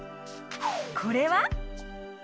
これは？